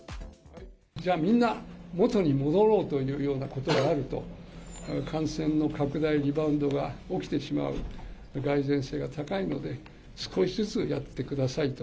じゃあ、みんな元に戻ろうということがあると、感染の拡大、リバウンドが起きてしまう蓋然性が高いので、少しずつやってくださいと。